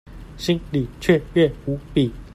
心裡雀躍無比